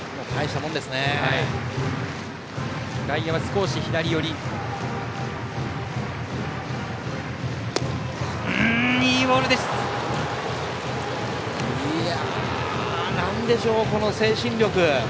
なんでしょう、この精神力。